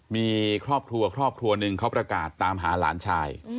มีครอบครัวครอบครัวหนึ่งเขาประกาศตามหาหลานชาย